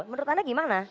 menurut anda gimana